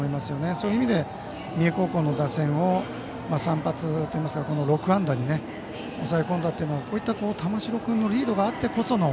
そういう意味で三重高校の打線を散発といいますか６安打に抑え込んだというのはこうした玉城君のリードがあってこその。